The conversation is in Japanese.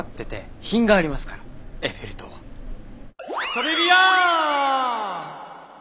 トレビアン！